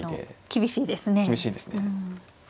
厳しいですね。